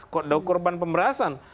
kondok korban pemerintahan